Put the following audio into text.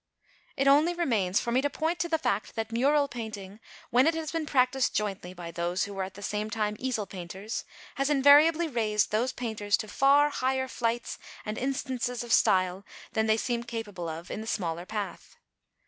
It only remains for me to point to the fact that mural painting, when it has been practised jointly by those who were at the same time easel painters, has invariably raised those painters to far higher flights and instances of style than they seem capable of in the smaller path.